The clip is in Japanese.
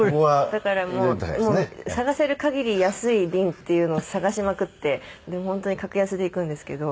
だからもう探せる限り安い便っていうのを探しまくって本当に格安で行くんですけど。